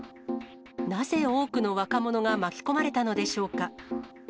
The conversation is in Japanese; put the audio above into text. なぜ多くの若者が巻き込まれたのでしょうか。